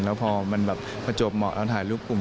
แล้วพอมันแบบประจวบเหมาะแล้วถ่ายรูปกลุ่ม